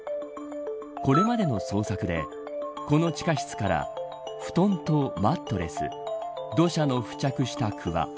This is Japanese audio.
これまでの捜索でこの地下室から布団とマットレス土砂の付着したくわ